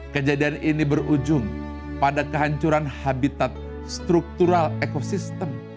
kejadian ini berujung pada kehancuran habitat struktural ekosistem